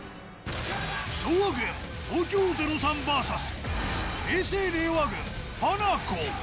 昭和軍、東京０３ＶＳ平成・令和軍、ハナコ。